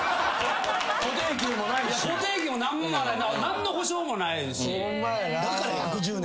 何の保障もないですし。